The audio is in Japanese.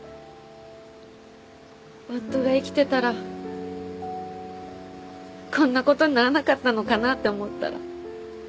夫が生きてたらこんなことにならなかったのかなって思ったら